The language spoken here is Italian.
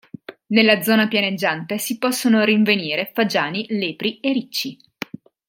Nella zona pianeggiante si possono rinvenire fagiani, lepri e ricci.